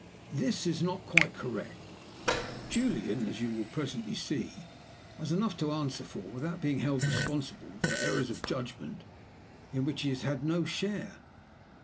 This is not quite correct. Julian, as you will presently see, has enough to answer for without being held responsible for errors of judgment in which he has had no share.